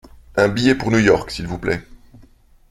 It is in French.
Un billet pour New York s’il vous plait.